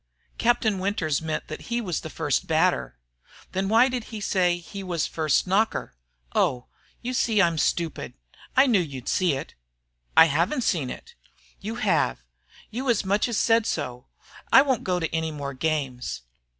"Captain Winters meant he was the first batter." "Then why did he say he was first knocker? Oh! you see I'm stupid. I knew you'd see it." "I haven't seen it." "You have. You as much as said so. I won't go to any more games."